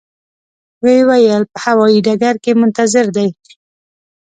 و یې ویل په هوایي ډګر کې منتظر دي.